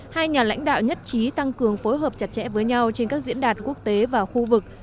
hai nhà lãnh đạo nhất trí tăng cường phối hợp chặt chẽ với nhau trên các diễn đàn quốc tế và khu vực